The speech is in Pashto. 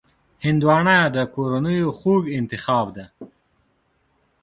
هندوانه د کورنیو خوږ انتخاب دی.